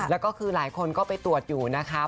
แล้วก็คือหลายคนก็ไปตรวจอยู่นะคะ